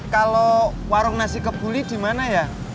kalau warung nasi kebuli di mana ya